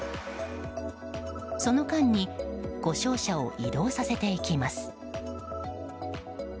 その間に故障車を移動させていきます。